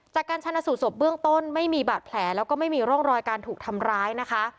จากการชนะสูตศพเบื้องต้นไม่มีบาดแผลแล้วก็ไม่มีร่องรอยการถูกทำร้ายนะคะ